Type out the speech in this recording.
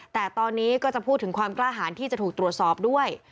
แต่ตอนนี้ก็จะพูดถึงความกล้าหารที่จะถูกตรวจสอบด้วย